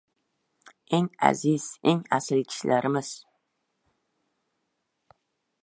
Eng aziz, eng asl kishilarimiz.